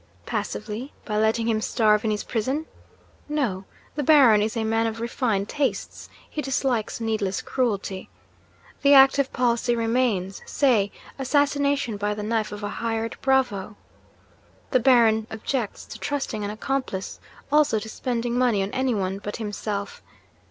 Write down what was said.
Passively, by letting him starve in his prison? No: the Baron is a man of refined tastes; he dislikes needless cruelty. The active policy remains say, assassination by the knife of a hired bravo? The Baron objects to trusting an accomplice; also to spending money on anyone but himself.